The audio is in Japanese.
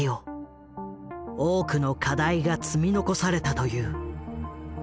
多くの課題が積み残されたという。